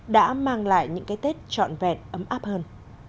đã mang lại những cái tết trọn vẹn ấm áp hơn